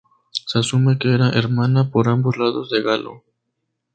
Se asume que era hermana por ambos lados de Galo.